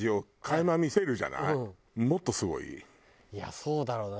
いやそうだろうね。